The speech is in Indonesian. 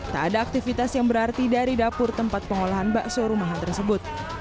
tak ada aktivitas yang berarti dari dapur tempat pengolahan bakso rumahan tersebut